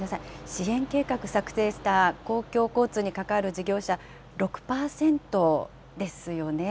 支援計画を策定した公共交通に関わる事業者、６％ですよね。